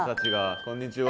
こんにちは。